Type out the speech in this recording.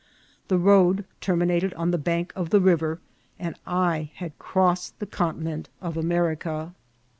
The road terminated on the bank of the river, and I had crossed the Continent of America.